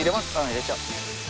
入れちゃおう。